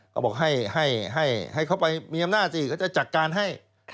ก็บอกให้เขาไปมีอำนาจสิเขาจะจัดการให้